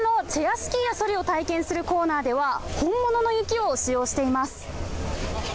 スキーやそりを体験するコーナーでは本物の雪を使用しています。